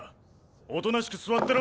おとなしく座ってろ。